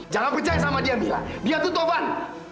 jangan percaya sama dia mila dia itu tohan